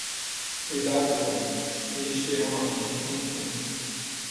Cuidado com? este é um abismo sem fim!